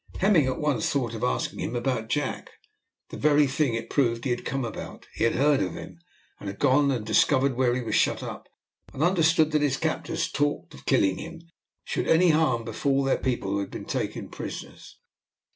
Hemming at once thought of asking him about Jack. The very thing it proved he had come about. He had heard of him, had gone and discovered where he was shut up, and understood that his captors talked of killing him should any harm befall their people who had been taken prisoners.